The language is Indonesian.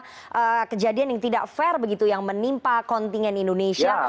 ada kejadian yang tidak fair begitu yang menimpa kontingen indonesia